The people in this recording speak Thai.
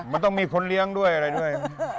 มันต้องมีคนเลี้ยงด้วยอะไรด้วย